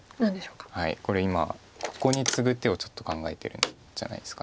これ今ここにツグ手を考えてるんじゃないですか。